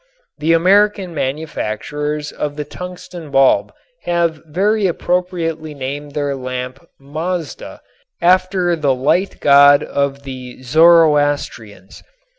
The American manufacturers of the tungsten bulb have very appropriately named their lamp "Mazda" after the light god of the Zoroastrians.